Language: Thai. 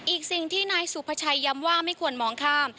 อีกสิ่งที่นายสุภาชัยย้ำว่าไม่ควรมองข้าม